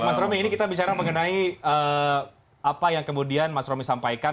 mas romy ini kita bicara mengenai apa yang kemudian mas romy sampaikan